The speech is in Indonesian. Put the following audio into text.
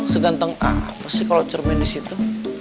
seganteng apa sih kalau cermin di situ